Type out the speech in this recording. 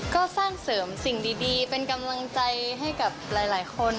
ก็สร้างเสริมสิ่งดีเป็นกำลังใจให้กับหลายคน